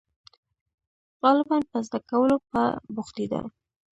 • غالباً په زده کولو به بوختېده.